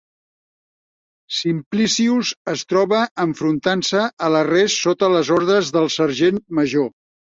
Simplicius es troba enfrontant-se a l'arrest sota les ordres del sergent major.